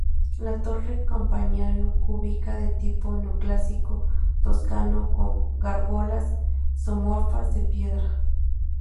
La torre campanario cúbica de tipo neoclásico toscano, con gárgolas zoomorfas de piedra.